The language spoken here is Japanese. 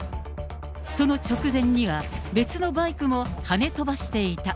その直前には、別のバイクもはね飛ばしていた。